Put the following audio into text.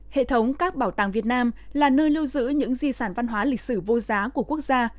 hệ thống các bảo tàng việt nam là nơi lưu giữ những di sản văn hóa lịch sử vô giá của quốc gia